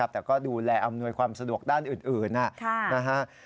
แต่ก็ดูแลอำนวยความสะดวกด้านอื่นนะครับ